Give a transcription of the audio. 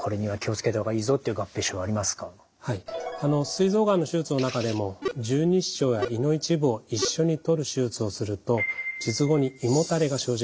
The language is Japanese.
すい臓がんの手術の中でも十二指腸や胃の一部を一緒に取る手術をすると術後に胃もたれが生じることがあります。